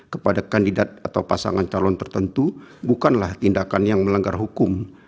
kepada kandidat atau pasangan calon tertentu bukanlah tindakan yang melanggar hukum